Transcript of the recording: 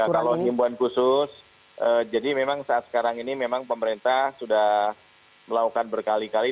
ya kalau himbuan khusus jadi memang saat sekarang ini memang pemerintah sudah melakukan berkali kali